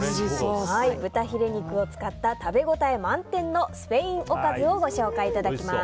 豚ヒレ肉を使った食べ応え満点のスペインおかずをご紹介いただきます。